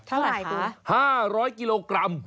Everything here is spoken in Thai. เท่าไหร่ค่ะห้าร้อยกิโลกรัมโอ้โฮ